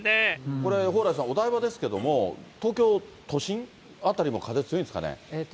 これ、蓬莱さん、お台場ですけれども、東京都心辺りも風強いんですかね。